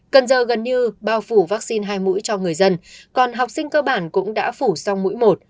cần giờ gần như bao phủ vaccine hai mũi cho người dân còn học sinh cơ bản cũng đã phủ xong mũi một